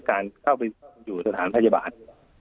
การเข้าไปอยู่สถานพยาบาล